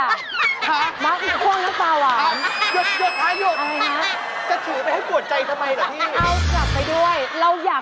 อะไรนะคว่างน้ำตาหวาน